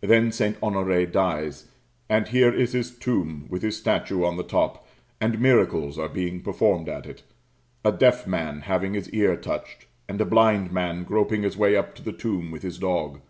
Then St. Honoré dies; and here is his tomb with his statue on the top; and miracles are being performed at it a deaf man having his ear touched, and a blind man groping his way up to the tomb with his dog.